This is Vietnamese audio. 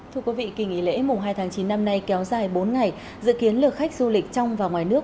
thưa quý vị kỳ nghỉ lễ mùng hai tháng chín năm nay kéo dài bốn ngày dự kiến lượt khách du lịch trong và ngoài nước